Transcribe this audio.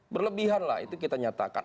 berlebihan lah itu kita nyatakan